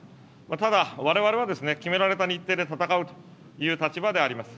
ただわれわれは決められた日程で戦うという立場であります。